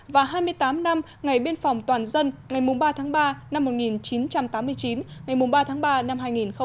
và hai mươi tám năm ngày biên phòng toàn dân ngày ba tháng ba năm một nghìn chín trăm tám mươi chín ngày ba tháng ba năm hai nghìn hai mươi